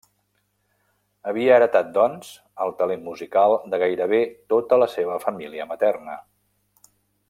Havia heretat, doncs, el talent musical de gairebé tota la seva família materna.